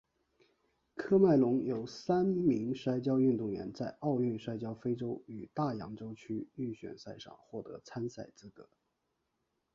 喀麦隆有三名摔跤运动员在奥运摔跤非洲与大洋洲区预选赛上获得参赛资格。